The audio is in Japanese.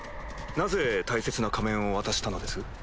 なぜ大切な仮面を渡したのです？